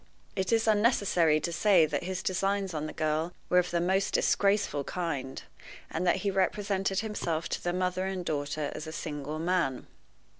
It is unnecessary to say that his designs on the girl were of the most disgraceful kind, and that he represented himself to the mother and daughter as a single man.